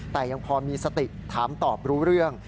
แต่ยังพอมีสติถามตอบรู้เรื่อง